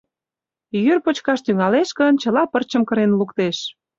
Йӱр почкаш тӱҥалеш гын, чыла пырчым кырен луктеш.